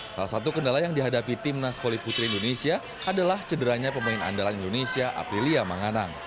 salah satu kendala yang dihadapi timnas voli putri indonesia adalah cederanya pemain andalan indonesia aprilia manganang